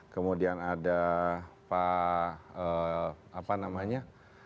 kemudian ada pak apa namanya